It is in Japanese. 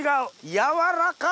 やわらか！